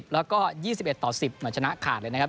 แล้วก็๒๑ต่อ๑๐เหมือนชนะขาดเลยนะครับ